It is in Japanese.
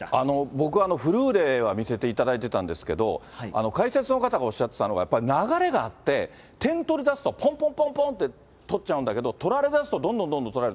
僕はフルーレは見せていただいてたんですけど、解説の方がおっしゃってたのが、やっぱり流れがあって、点取り出すと、ぽんぽんぽんって取っちゃうんだけれども、取られだすと、どんどんどんどん取られる。